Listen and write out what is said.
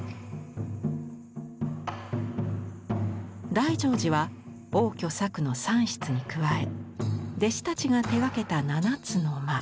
大乗寺は応挙作の３室に加え弟子たちが手がけた７つの間。